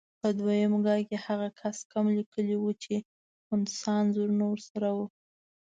په دویم ګام کې هغه کس کم لیکلي وو چې خنثی انځور ورسره وو.